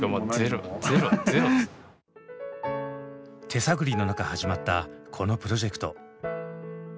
手探りの中始まったこのプロジェクト。